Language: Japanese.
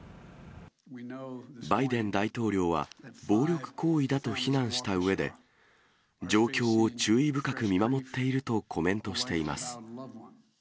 バイデン大統領は、暴力行為だと非難したうえで、状況を注意深く見守っているとコメントしています。